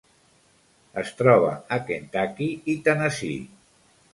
Es troba a Kentucky i Tennessee.